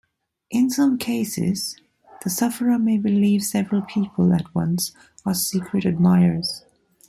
In some cases, the sufferer may believe several people at once are secret admirers.